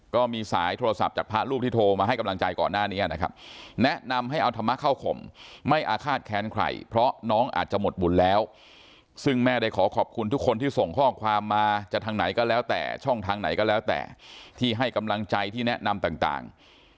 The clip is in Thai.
ก็มีสายโทรศัพท์จากพระรูปที่โทรมาให้กำลังใจก่อนหน้านี้นะครับแนะนำให้เอาธรรมะเข้าข่มไม่อาฆาตแค้นใครเพราะน้องอาจจะหมดบุญแล้วซึ่งแม่ได้ขอขอบคุณทุกคนที่ส่งข้อความมาจากทางไหนก็แล้วแต่ช่องทางไหนก็แล้วแต่ที่ให้กำลังใจที่แนะนำต่าง